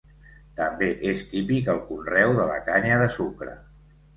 També és típic el conreu de la canya de sucre.